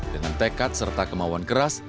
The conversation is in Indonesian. dengan tekad serta kemauan keras